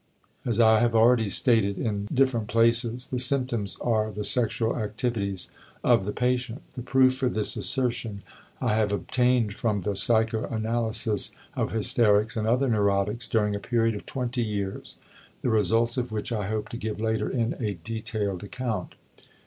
As I have already stated in different places, the symptoms are the sexual activities of the patient. The proof for this assertion I have obtained from the psychoanalysis of hysterics and other neurotics during a period of twenty years, the results of which I hope to give later in a detailed account.